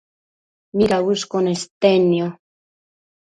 midauësh nestednio?